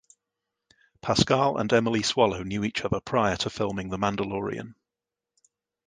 Pascal and Emily Swallow knew each other prior to filming "The Mandalorian".